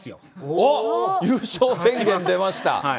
おっ、優勝宣言出ました。